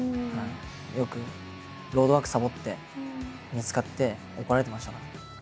よくロードワークサボって見つかって怒られてましたから。